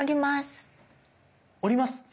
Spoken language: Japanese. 降ります？